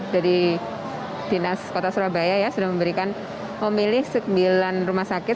dari dinas kota surabaya ya sudah memberikan memilih sembilan rumah sakit